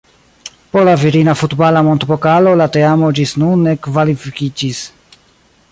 Por la Virina Futbala Mondpokalo la teamo ĝis nun ne kvalifikiĝis.